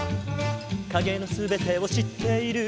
「影の全てを知っている」